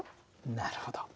なるほど。